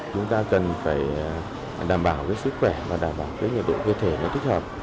chúng ta cần phải đảm bảo sức khỏe và đảm bảo nhiệt độ cơ thể nó thích hợp